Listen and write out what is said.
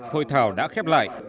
hội thảo đã khép lại